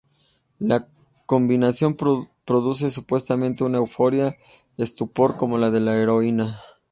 La combinación produce supuestamente una euforia y estupor como la de la heroína.